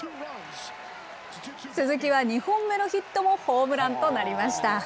鈴木は２本目のヒットもホームランとなりました。